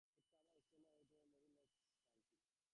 It covers Stoneham and Winchester in Middlesex County.